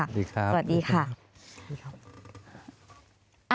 สวัสดีครับ